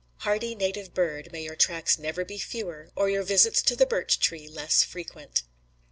Hardy native bird, may your tracks never be fewer, or your visits to the birch tree less frequent!